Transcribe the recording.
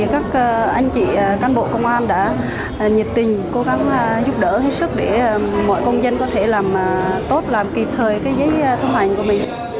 các anh chị cán bộ công an đã nhiệt tình cố gắng giúp đỡ hết sức để mọi công dân có thể làm tốt làm kịp thời giấy thông hành của mình